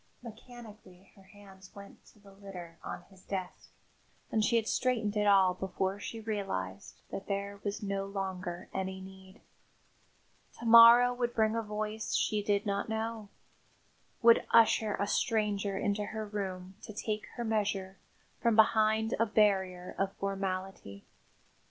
Mechanically her hands went to the litter on his desk and she had straightened it all before she realised that there was no longer any need. To morrow would bring a voice she did not know; would usher a stranger into her room to take her measure from behind a barrier of formality.